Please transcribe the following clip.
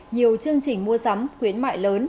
nhiều chương trình mua sắm quyến mại lớn